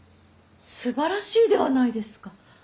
すばらしいではないですか。